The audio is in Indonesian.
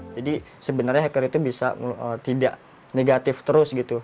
jadi sebenarnya hacker itu bisa tidak negatif terus gitu